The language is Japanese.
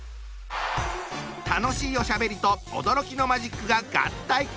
楽しいおしゃべりと驚きのマジックが合体！